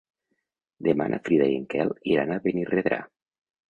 Demà na Frida i en Quel iran a Benirredrà.